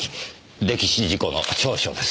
溺死事故の調書です。